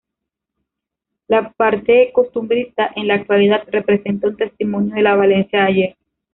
La parte costumbrista en la actualidad representa un testimonio de la Valencia de ayer.